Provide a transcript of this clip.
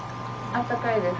あったかいです。